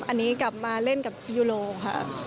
อันนี้กลับมาเล่นกับยูโรค่ะ